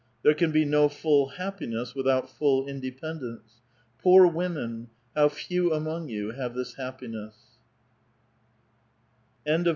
There can be no full happiness without full independence. Poor women, how few among you have this happiness I XI.